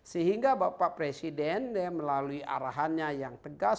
sehingga bapak presiden melalui arahannya yang tegas